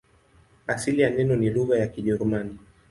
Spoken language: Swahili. Asili ya neno ni lugha ya Kijerumani.